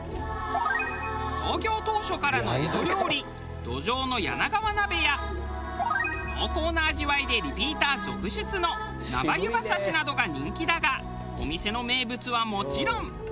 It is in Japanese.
創業当初からの江戸料理ドジョウの柳川鍋や濃厚な味わいでリピーター続出の生ゆば刺しなどが人気だがお店の名物はもちろん。